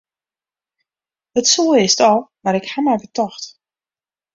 It soe earst al, mar ik haw my betocht.